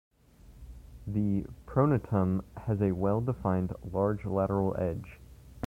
The pronotum has a well defined, large lateral edge.